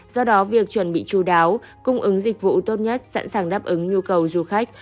do đó việc chuẩn bị chú đáo cung ứng dịch vụ tốt nhất sẵn sàng đáp ứng nhu cầu du khách